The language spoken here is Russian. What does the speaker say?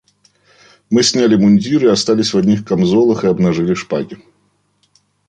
Мы сняли мундиры, остались в одних камзолах и обнажили шпаги.